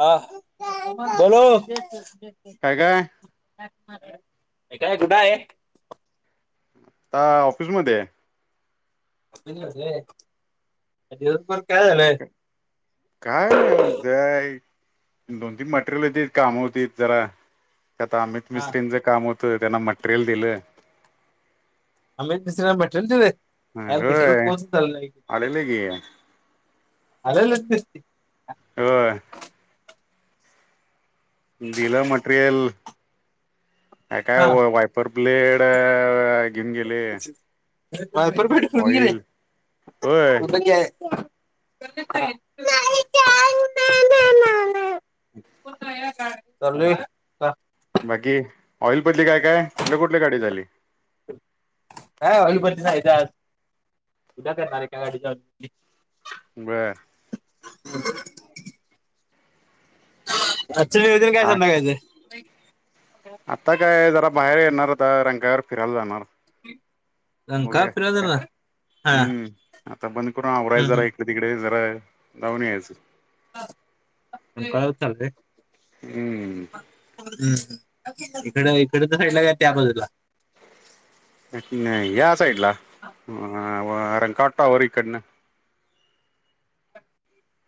हा बलाओ. काय काय आता काय कुठाये. आ ऑफिसमध्येये. ऑफिस मध्ये, दिवसभर काय झालंय काय नाही उ जाय दोन तीन मटेरियलची काम होती जरा आता अमित हा मिस्रींचे काम होत. त्यांना मटेरियल दिलं. अमित मस्री ना भटेले तुम्ही? हटरच होय पाउसच झाल नाही. आलेले की अले लत्सते. होय. दिला मटेरियल. अ काय हा वायपर ब्लेड घेऊन गेले. वायपर ब्लेड घेऊन गेले. ऑइल होय [unintelligible] चालोय का? बाकी ऑइल बदली काय काय कुठल्या कुठल्या गाडी झाली. काय ऑइल बदली जायज आज उद्या करणारे काय गाडी चालू. बर [inaudible] आजच नियोजन काये आ संध्याकाळच. आता काय जरा बाहेर येणारता रंकाळ्यावर फिरायला जाणार. [inaudible] बघुया फिरवायचं काय, ना हा हम्म आता बंद करून आवराय जरा इकडे तिकडे जरा जाऊन यायचं. रंकाळ्याला चालते. हम्म. हम्म इकड इकडच साडला काय त्या बाजूला. या साईडला रंकाट टॉवर इकडनं.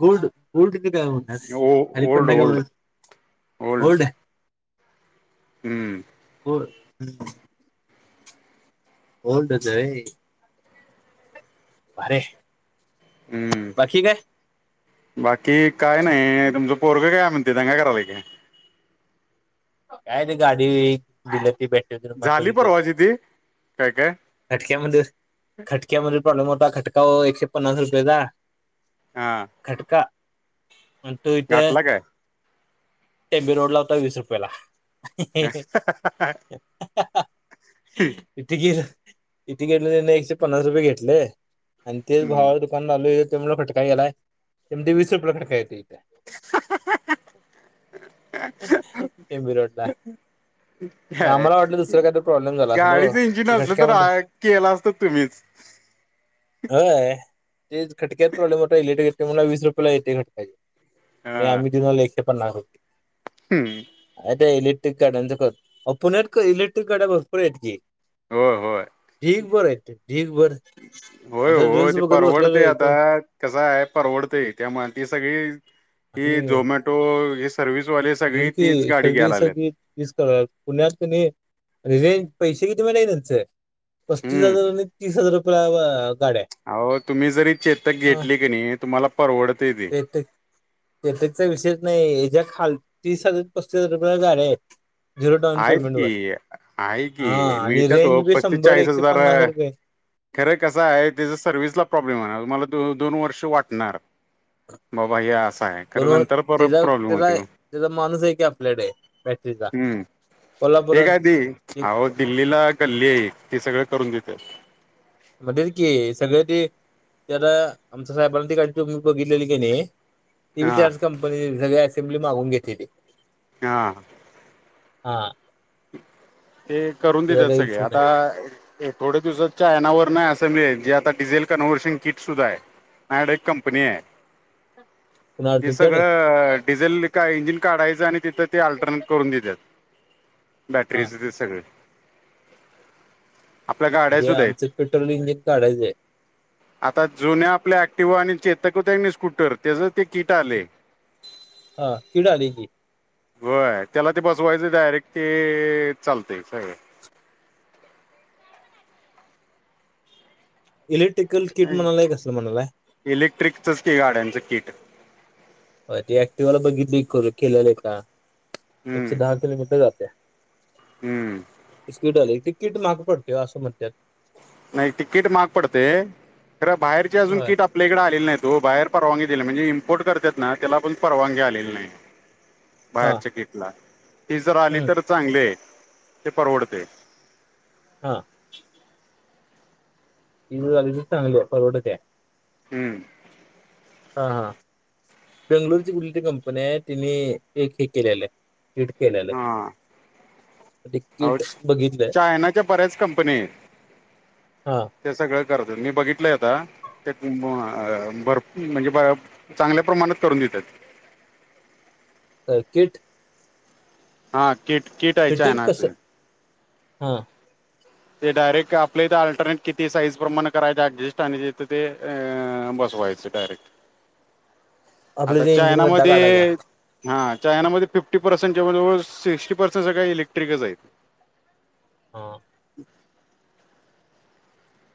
गोल्ड गोल्ड का म्हतास ओ ओल्ड अलिपणाग ओल्ड ओल्ड. हम्म. [inaudible] ओल्डचये. भारी, हम्म बाकी काय? बाकी काय नाही तुमचं पोरग काय म्हणते त्यां काय करालाय काय? काय ते गाडी दिलं ती भेटत्यात [unintelligible] झाली बघितलेली परवाची ती काय काय खटक्यामध्येचं खटक्यामध्ये प्रॉब्लेम होता खटका ओ एकशे पन्नास रुपयेचा हा खटका आणि तो इथं घातला काय टेबी रोडला होता वीस रुपयाला. किती गेल. किती घेतल त्यांनी एकशे पन्नास रुपये घेतले आणि तेच हम्म भावाच्या दुकानात लावलोय ते म्हणलं खटका गेलाय ते म्हणत वीस रुपयाला खटका येतय. तिबी रोडला काय आम्हाला वाटलं दुसरं काहीतर प्रॉब्लेम झाला असल ओ गाडीचं इंजिन ते असलं तर घटक्यामध केला असत तुम्हीच होय ते खटक्यातच प्रॉब्लेम होता इलेक्ट्रिकल तो म्हणला वीस रुपयेला येते खटका ह्यो आणि हा आम्ही देऊन आलो एकशे पन्नास रूप होय काय ते आहे इलेक्ट्रिक गाड्या कर आहो पुण्यात इलेक्ट्रिक गाड्या भरपुर आहेत की हो होय. बरं हाय ते [inaudible] होय हो ते बघत बसलेलो परवडतं एक आता कसं आहे. परवडतं त्यामुळ ती सगळी, ही आणि झोमॅटो हे सर्व्हिसवाले तेच सगळी तीच की गाडी सगळी घ्यायला आल्यात सगळी इसकळत पुण्यात कनी अरे हे पैसे किती माहिती काय त्यांचे, पस्तीस हजार आणि तीस हजार रुपये लावा. आहो तुम्ही जरी चेतक हा घेतली की नाय तुम्हाला परवडतंय ते. चा विषयच नाही ह्याच्या खालती तीस, पस्तीस हजार रुपयाला गाड्या आहेत. झिरो डाऊन आहेत पेमेंट की वर आहे हा की आणि मिळतात. रेंज ओ बी पस्तीस, शंभर चाळीस एकशे पन्नास हजारां रुपये खरं कसं आहे. त्याज सर्व्हसला प्रॉब्लेम आहे. तुम्हला दो दोन वर्ष वाटणार बाबा हे अस काय खर दोन नंतर परत त्याचा प्रॉब्लेम होते त्याचा ओ, त्याचा माणूस आहे की आपल्याकडे बॅटरीचा हूं ते काय कोल्हापुरात ती आहो दिल्लीला गल्ली आहेत ते सगळं करून देत्यात. म्हणतेच की सगळे ते त्याला आमच्या साहेबांनी ते गाडी काही बघितलेली का नाई ती बी हा त्यांच कंपनी सगळ असेंब्ली मागून घेतलेली. हा. हा. ते करून त्याचा देतात. काही सगळे विषय नाही आता थोड्या दिवसात चायनावरना अस त मिळेल जी आता डिझेल कन्व्हर्शन किट सुद्धा आहे. माझ्याकडे एक कंपनी आहे. पुन्हा हे तुमच्याकडे सगळं डिझेल का इंजिन काढायचं आणि, तिथं ते अल्ट्रानेट करून देत्यात. हा बॅटरीचे ते सगळ आपल्या गाड्या म्हणजे सुद्धा आहेत. आमचं पेट्रोल इंजिन काढायचंय आता जुन्या आपल्या ऍक्टिवा आणि चेतक होत नाय का स्कूटर त्याज ते किट आलय. हा कीट आलय की, होय. त्याला ते बसवायचं डायरेक्ट ते चालतंय सगळ इलेक्ट्रिकल किट म्हणालाय कसलं म्हणालाय इलेक्ट्रिकचच ते गाड्यांचं किट होय ते ऍक्टिवाला बघितली कर केलेलं एका एकशे दहा किलोमीटर जात्या हूं किट आलय. ते किट महाग पडतय ओ असं म्हणत्यात. नाही तिकीट महाग पडतय खर बाहेरची अजून होय किट आपल्याकडे आलेली नाहीत ओ बाहेर परवानगी म्हणजे इंपोर्टे करत ना त्याला पण परवानगी आलेली नाय. हा बाहेरच्या किटला ती जर आली हम्म तर चांगले य ते परवडतय. हा. ती जर आली तर चागलीय परवडत्या. हं हा हा बेंगलोर ची कुठलीतरी कंपनी आहे तिनी एक हे केलेलंय. हिट केलेलय. हा अहो चायनाच्या बऱ्याच कंपनी आहेत. हा ते सगळं करतेत. हो मी बघितलंय आता त्या भरपूर म्हणजे चांगल्या प्रमाणात करून देतात. अ किट? हा किट किट आहे फिटिंग चयनाच. कसं [unintelligible] हा. ते डायरेक्ट आपल्या इथं अल्टरनेट किती साईज प्रमाण करायच ऍडजस्ट आणि जथ ते . व्हायचं डायरेक्ट. . आता चायनामध्ये हा. चायनामध्ये फिफ्टी पर्सेंट जवळजवळ सिक्स्टी पर्सेंट सगळळे इलेक्ट्रिकच आहेत. हो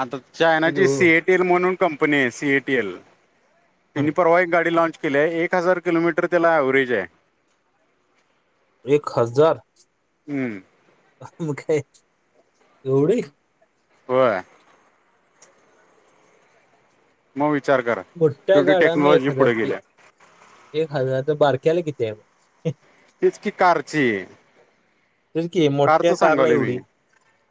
आता किती चायनाची हो? सीएटीएल म्हणून कंपनी आहे सीएटीएल. तेनी हम्म. परवा एक गाडी लाँच. केले एक हजार किलोमीटर त्याला एवरेज आहे. एक हजार हम्म हा मग काय. एवढे. होय. मोहित. मोठठ्या गाडांना एक हजार फी गेल्या एक हजार तर बारक्याला किती आहे . हे. तेचा कि कारची. तेच की कारच मोठ्या कारला सांगवलं मी एवढी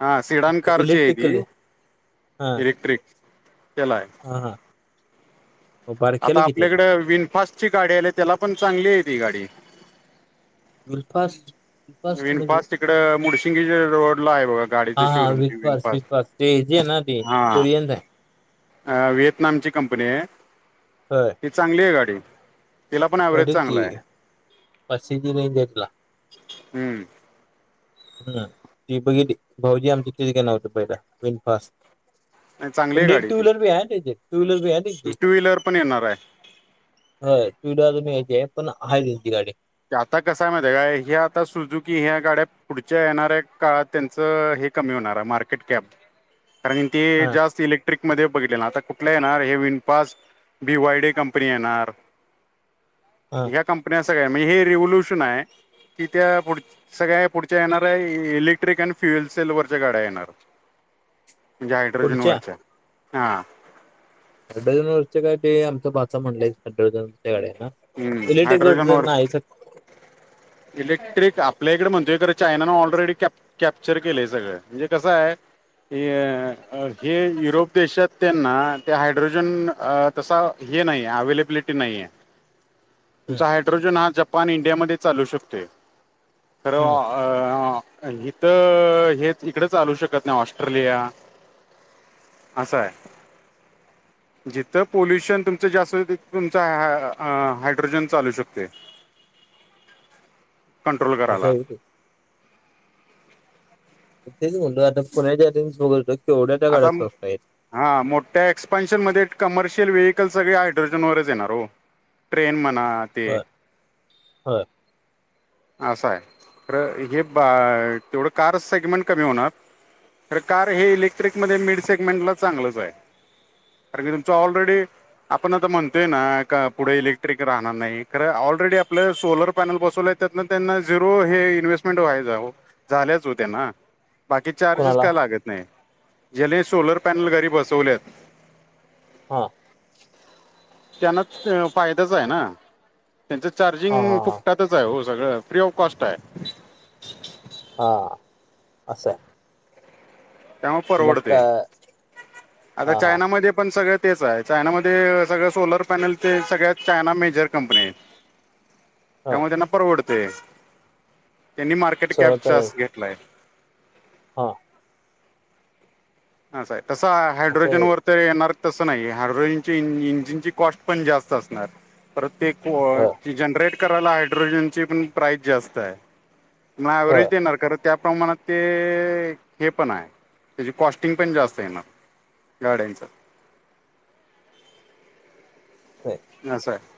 हा सिडान कारची आहे ती हा इलेक्ट्रिक चलाय हा हा मग बारक्याला आता किती आहे मग आपल्याकडे विनफास्ट ची गाडी आली त्याला पण चांगली आहे ती गाडी. गूळ फास्ट. विनफास्ट तिकड मुडशिंगी रोड ला आहे बघा गाडीच हा हा शोरूम विल्फास विनफास्ट. विल्फास ते जे ना त कुरियनचा. [unintelligible] अ व्हिएतनामची कंपनी आहे. होय ही चांगली आहे गाडी तिला पण एवरेज चांगला आहे. पस जी नाही देेतला. [unintelligible] हम. हम ती बघितली भाऊजी आमची तीच घेणार होते पहिला विनफास्ट. नाही चांगली पण आहे गाडी टू ती व्हीलर भी आहे त्यांची टू व्हीलर भी आहे त्यांची. टू व्हीलर पण येणार आहे होय टू व्हीलर अजून यायचे पण आहे यांची गाडी. आता कस आहे माहि आहे काय हे आता सुजुकी ह्या गाड्या पुढच्या येणाऱ्या काळात त्यांचं. हे कमी होणार मार्केट कॅप कारण ते हा जास्त इलेक्ट्रिकल. इलेक्ट्रिक मध्ये बघितले आता कुठ येणार हे VinFast V Y D company येणार. हा ह्या कंपन्या सगळ्या म्हणजे हे रिव्होल्युशन आहे. ति त्या पुढच्या सगळ्या पुढच्या येणार आहे इलेक्ट्रिक फिवेल सेल वरच्या गाड्या येणार. . [inaudible] म्हणजे हाड्रोजन वरच्या ह. हायड्रोजन वरच काय ते आमच भाचा म्हणलंय हायड्रोजन. हम्म हायड्रोजन वर. सर इलेक्ट्रिक आपल्या इकडे म्हणतोय खरं चायना ऑलरेडी कॅप. कॅप्चर केलंय सगळं म्हणजे कसं आहे हे युरोप देशात. त्यांना त्या हायड्रोजन तसा हे नाहीे अवलेबिलिटी नाहीय. हम्म तुमचा हायड्रोजन हा जपान इंडियामध्ये चालू शकतो. तर हम्म अ---. इथं हेच इकडे चालू शकत नाही ऑस्ट्रेलिया. असाय. जिथं पोल्युशन तुमचं जास्त तिथं तुमचा ह---. हायड्रोजन चालू शकते कंट्रोल असं करायला. आहे ते तेच म्हटलं आता कोण्याच्याच बघतो. केवढ्या त्या आता गाड्या स्वस्त आहेत हा मोठ्या एक्सपान्शन मध्ये कमर्शि यल व्हेईकल सगळे हायड्रोजन वरच येणार ओ ट्रेन म्ह ना ते होय होय असं आहे खरं हे तेवढं कार सेगमेंट कमी होणार. तर कार हे इलेक्ट्रिक मध्ये मिड सेगमेंट ला चांगलंच आहे. अरे मी तुमचा ऑलरेडी आपण आता म्हणतोय ना का पुढे इलेक्ट्रिक राहणार नाही खरं ऑलरेडी आपलं सोलर पॅनल बसवलेत. त्यातनं त्यांना झिरो हे इन्व्हेस्टमेंट व्हायचंय ओ झाल्याच ओ त्यांना बाकी चार्जेस कोणाला काय लागत नाही ज्याला सोलर पॅनल घरी बसवल्यात. हा. त्यांना फायदाच आहे ना. त्यांचं हा चार्जिंग हा हा फुकटातच आहे ओ सगळं फ्री ऑफ कॉस्ट आहे. हा असं आहे. त्यामुळे परवडतंय नक्का आता हा हा चायनामध्ये पण सगळं तेच आहे चायनामध्ये सगळं सोलर पॅनल तेन सगळ्या चायना मेजर कंपन्या आहेत. [inaudible] हा त्यामुळे त्यांना परवडतंय त्यांनी मार्केट सोलर कॅप पॅनल जास्त घेतलाय. हा. असं आहे कसं आहे असं हायड्रोजन आहे वर तर येणार. तस नाहीये हायड्रोजन च्या इंजिनची कॉस्ट पण जास्त असणार परत. होय ते जनरेट करायला हायड्रोजनची पण प्राइस जास्त आहे. मग ऍव्हरेज होय देणार कारण त्या प्रमाणात ते हे पण आहे त्याची कॉस्ट फि पण जास्त येणार गाड्यांची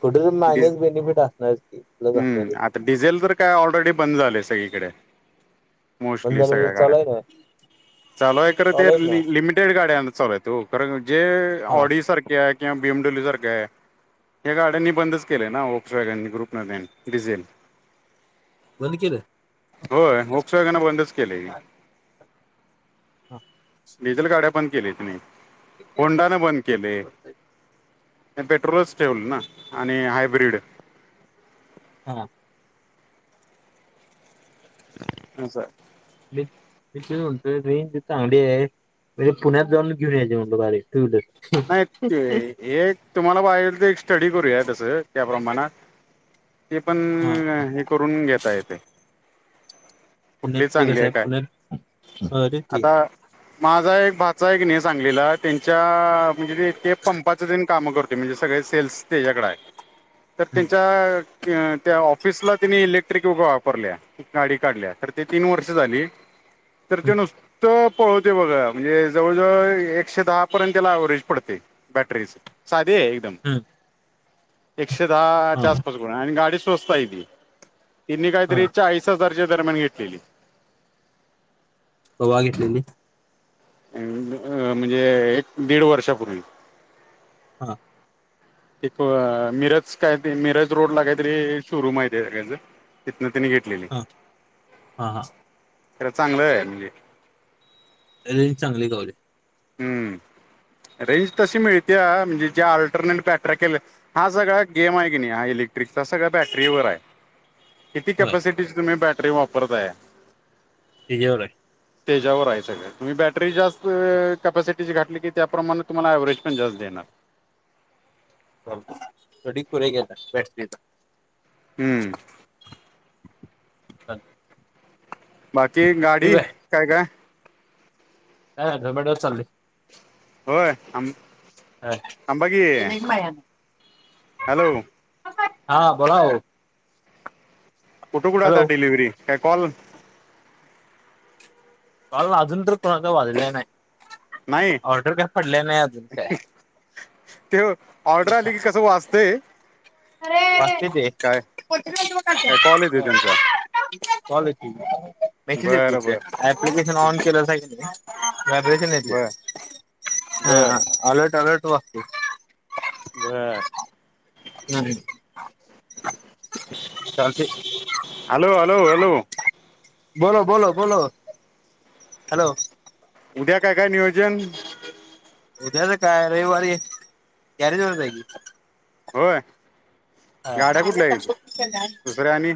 कुठं तर डिझ मायनस बेनिफिट असणार की प्लस असणार हम्म ते आता डिझेल तर काय ऑलरेडी बंद झालंय सगळीकडे. बंद मोस्टली झालं सगळ्या म्हणजे गाड्या चालू आहे ना चालू आहे खरं ते चालू आहेत ना लिमिटेड गाड्या. चालू आहेत ओ कारण जे हा ऑडी सारखे आहे किंवा बि एम डब्ल्यू सारख्या या गाड्यांनी बंदच केलंय ना ओक्स वॅगननी ग्रुप वाल्यांनी डिझेल. बंद केलं. होय ओक्स वॅगनं बंदच केलंय की डिझेल गाड्या बंद केल्या त्यांनी होंडानं बंद केलंय. पेट्रोलच ठेवलं ना आणि हायब्रीड हा. असं. मी मी तेच म्हणतोय रेंज. चांगली आहे म्हणजे पुण्यात जाऊन घेऊन यायची म्हणतोय गाडी टू व्हीलर नाही ते एक तुम्हाला पाहिजेल तर एक स्टडी करूया तसं. त्या प्रमाणात ते पण हा हे करून घेता येतंय. पुण्यात कुठली ते चांगली कसं आहे काय पुण्यात अ, तेच की आता माझा एक भाचा आहे कनि सांगलीला त्यांच्या म्हणजे ते ते पंपाचं तेन कामं करतोय म्हणजे सगळे सेल्स त्याच्याकडे आहे. तर हम्म, त्यांच्या त्या ऑफिसला त्यांनी इलेक्ट्रिक व वापरल्या गाडी काढल्या तर ते तीन वर्ष झाली. तर तो हम्म, नुस्तं पळवतोय बघा म्हणजे जवळजवळ एकशे दहा पर्यंत त्याला ऍव्हरेज पडतंय बॅटरीचं साधी आहे एकदम. हम्म. एकशे दहाच्या हा आसपास आहे आणि गाडी स्वस्त आहे की तिनी हा काहीतरी चाळीसच दसऱ्याच्या दरम्यान घेतलेली कवा घेतलेली? अं म्हणजे एक दीड वर्षापूर्वी हा एक मिरज काय ते मिरज रोड ला काहीतरी शोरूम आहे सगळ्यांच त्यांने घेतलेली हा हा हा खर चांगलं आहे म्हणजे रेंज चांगली गवले हम्म रेंज तशी मिळते म्हणजे ज्या अऑल्टरनेट बॅटर केले हा सगळा गेम आहे की नाही हा ट्रिक चा सगळा बॅटरी वर आहे किती होय कॅपॅसिटीची तुम्ही बॅटरी वापरताय त्याच्यावर आहे त्याच्यावर आहे सगळ तुम्ही बॅटरी जास्त कपॅसिटी ची घातली की त्याप्रमाणे तुम्हाला ॲवरेज पण जास्त देणार आहे थोडी कुरे [unintelligible] हम्म [unintelligible] बाकी ठीक गाडी काय काय हबडवर चालली होय आम थांबा की हॅलो हा बोला ओ कुठे कुठे आता डिलिव्हरी काय कॉल कॉल अजून तर कोणाचा वाजला नाही नाही ऑर्डर काय पडले नाही अजून काय ते ऑर्डर आली की कसं वाचतय वाजते ते काय कॉल येतोय त्यांचा कॉले मेसेज बरं टीच बर ऍप्लिकेशन ऑन केलं बर हा बर अलर्ट अलर्ट वाटतंय व हम् चालतय हॅलो हॅलो हॅलो बोलो बोलो बोलो हॅलो उद्या काय काय नियोजन उद्याच काय रविवारी आहे, गॅरेज वर जाईल होय गाड्या कुठल्या याची की दुसऱ्या आणि